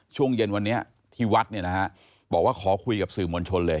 ช่วงเย็นวันนี้ที่วัดเนี่ยนะฮะบอกว่าขอคุยกับสื่อมวลชนเลย